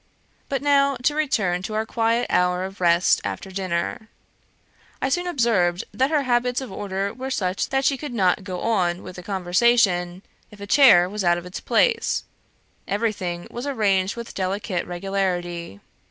"But now to return to our quiet hour of rest after dinner. I soon observed that her habits of order were such that she could not go on with the conversation, if a chair was out of its place; everything was arranged with delicate regularity.